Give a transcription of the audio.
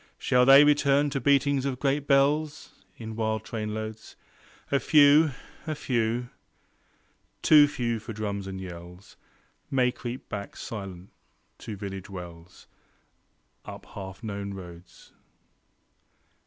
Shall they return to beatings of great bells In wild trainloads? A few, a few, too few for drums and yells, May creep back, silent, to still village wells Up half known roads.